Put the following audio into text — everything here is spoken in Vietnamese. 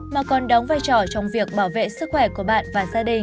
mà còn đóng vai trò trong việc bảo vệ sức khỏe của bạn và gia đình